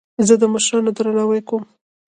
زه د مشرانو درناوی کوم.